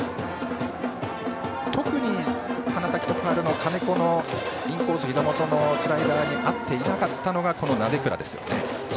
特に花咲徳栄の金子のインコースひざ元のスライダーに合っていなかったのがこの鍋倉ですね。